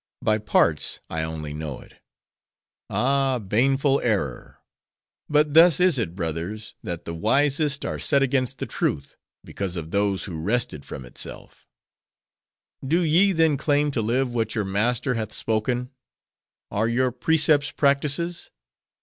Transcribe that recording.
By parts I only know it." "Ah! baneful error! But thus is it, brothers!! that the wisest are set against the Truth, because of those who wrest it from itself." "Do ye then claim to live what your Master hath spoken? Are your precepts practices?"